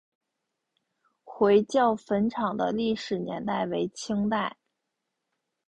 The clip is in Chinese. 回教坟场的历史年代为清代。